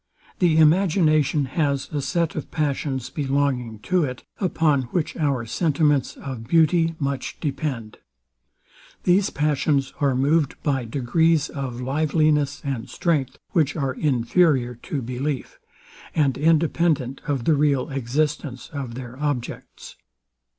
The imagination has a set of passions belonging to it, upon which our sentiments of beauty much depend. These passions are moved by degrees of liveliness and strength, which are inferior to belief, and independent of the real existence of their objects.